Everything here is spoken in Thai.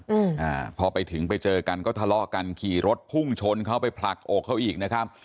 อืมอ่าพอไปถึงไปเจอกันก็ทะเลาะกันขี่รถพุ่งชนเขาไปผลักอกเขาอีกนะครับ